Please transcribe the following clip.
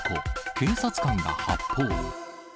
警察官が発砲。